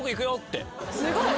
すごい。